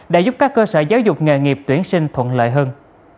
đã giúp các cơ sở giáo dục nghề nghiệp tuyển sinh thuận lợi hơn